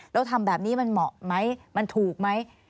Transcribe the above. แล้วทำแบบนี้มันเหมาะไหมมันถูกไหม